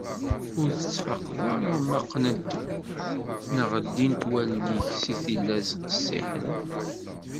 Ur tettfaqeḍ ara ma qqnent neɣ ldint wallen-ik seg tillas qessiḥen.